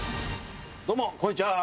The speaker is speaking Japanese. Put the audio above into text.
どうもこんにちは！